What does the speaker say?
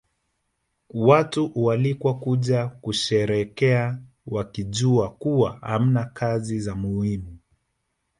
Watu hualikwa kuja kusherehekea wakijua kuwa hamna kazi za muhimu